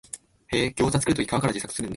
へえ、ギョウザ作るとき皮から自作するんだ